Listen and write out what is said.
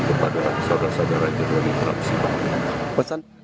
kepada sada sada rakyat yang dikerasan